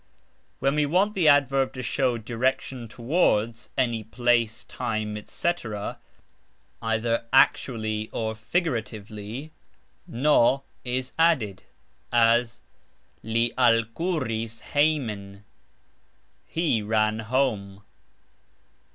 When we want the adverb to show "direction towards" any place, time, etc., either actually or figuratively, "n" is added, as "Li alkuris hejmen", He ran home.